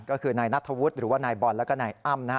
ก็คือนายนัทธวุฒิหรือว่านายบอลแล้วก็นายอ้ำนะฮะ